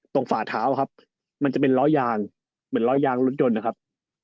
ตรงฝาเท้าครับมันจะเป็นร้อยยางรถยนต์นะครับ